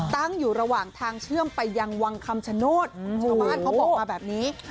ตั้งอยู่ระหว่างทางเชื่อมไปยังวังคำชโนธชาวบ้านเขาบอกมาแบบนี้